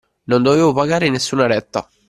Non dovevo pagare nessuna retta.